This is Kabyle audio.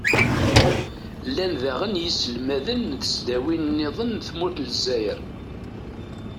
llan daɣen yiselmaden n tesdawin-nniḍen n tmurt n lezzayer.